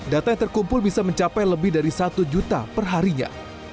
data yang terkumpul bisa mencapai lebih dari satu juta perharinya